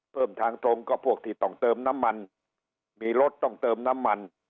เพิ่มทางตรงก็พวกที่ต้องเติมน้ำมันมีรถต้องเติมน้ำมัน